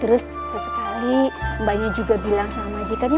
terus sesekali mbaknya juga bilang sama majikannya